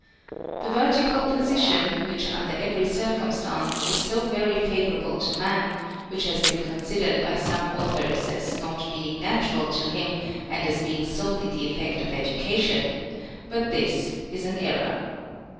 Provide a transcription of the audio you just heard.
The vertical position, which under every circumstance, is so very favourable to man, has been considered by some authors, as not being natural to him, and as being solely the effect of education ; but this is an error.